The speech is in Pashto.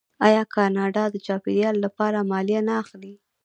آیا کاناډا د چاپیریال لپاره مالیه نه اخلي؟